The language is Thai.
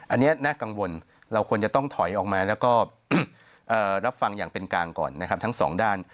อันนี้น่ากังวลเราควรจะต้องถอยออกมาแล้วก็รับฟังอย่างเป็นกลางก่อนนะครับทั้งสองด้าน